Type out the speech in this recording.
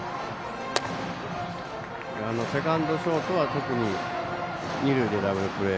セカンド、ショートは特に二塁でダブルプレー。